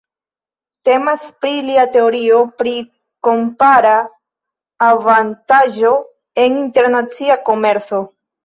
Temas pri lia teorio pri kompara avantaĝo en internacia komerco.